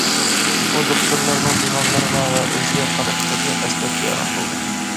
ئۇ دوختۇرلارنىڭ بىمارلارغا ۋە ئۆزىگە قاراشلىرىنى ئەسلەپ بىئارام بولدى.